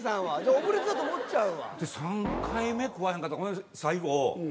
オムレツだと思っちゃうわ。